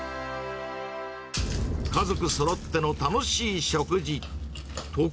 家族そろっての楽しい食事。